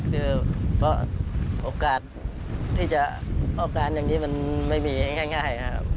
คือเพราะโอกาสที่จะโอกาสอย่างนี้มันไม่มีง่ายนะครับ